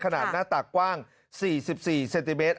หน้าตากกว้าง๔๔เซนติเมตร